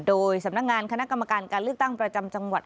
โดยสำนักงานคณะกรรมการการเลือกตั้งประจำจังหวัด